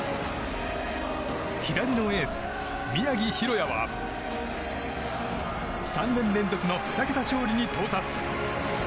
左のエース、宮城大弥は３年連続の２桁勝利に到達。